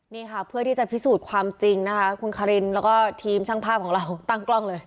นี่ค่ะเพื่อที่จะพิสูจน์ความจริงนะคะคุณคารินแล้วก็ทีมช่างภาพของเราตั้งกล้องเลย